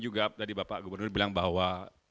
juga tadi bapak gubernur bilang bahwa